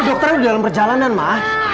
dokternya udah dalam perjalanan ma